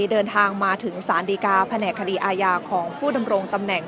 เดินทางมาถึงสารดีกาแผนกคดีอาญาของผู้ดำรงตำแหน่ง